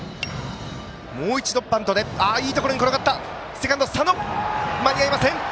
セカンド、佐野間に合いません。